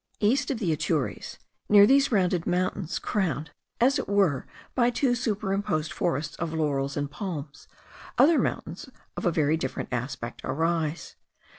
East of the Atures, near these rounded mountains crowned, as it were, by two superimposed forests of laurels and palms, other mountains of a very different aspect arise.